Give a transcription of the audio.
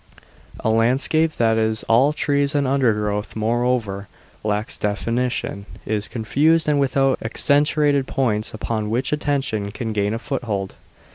A landscape that is all trees and undergrowth, moreover, lacks definition, is confused and without accentuated points upon which attention can gain a foothold.